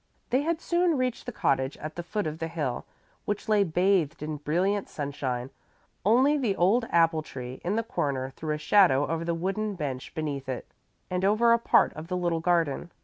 They had soon reached the cottage at the foot of the hill, which lay bathed in brilliant sunshine. Only the old apple tree in the corner threw a shadow over the wooden bench beneath it and over a part of the little garden.